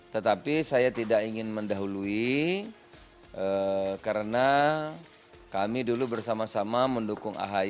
tetapi saya tidak ingin mendahului karena kami dulu bersama sama mendukung ahy